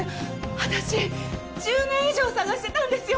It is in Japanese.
私１０年以上探してたんですよ